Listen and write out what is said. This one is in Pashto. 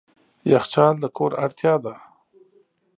یخچال د کور اړتیا ده.